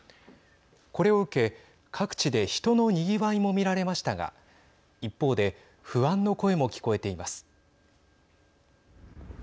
これを受け、各地で人のにぎわいも見られましたが一方で不安の声も聞こえています。